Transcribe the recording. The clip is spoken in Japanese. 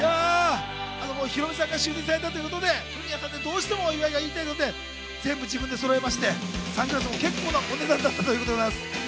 ヒロミさんが就任されたということで、どうしてもお祝いが言いたいので全部自分でそろえまして、サングラスもけっこうなお値段だったということです。